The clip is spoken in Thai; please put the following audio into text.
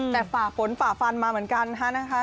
แต่ฝ่าฝนฝ่าฟันมาเหมือนกันฮะนะคะ